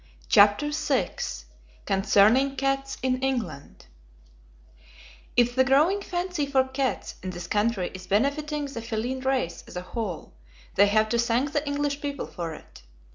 CHAPTER VI CONCERNING CATS IN ENGLAND If the growing fancy for cats in this country is benefiting the feline race as a whole, they have to thank the English people for it.